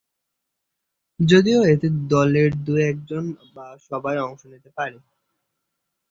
যদিও এতে দলের দুই একজন বা সবাই অংশ নিতে পারে।